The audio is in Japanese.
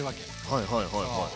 はいはいはいはい。